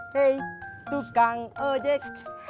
hei tukang ojek